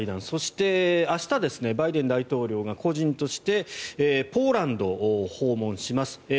そして明日、バイデン大統領が個人としてポーランドを訪問します。